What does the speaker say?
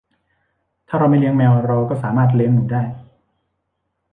ถ้าเราไม่เลี้ยงแมว เราก็สามารถเลี้ยงหนูได้